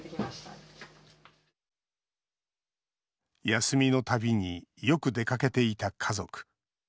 休みのたびによく出かけていた家族。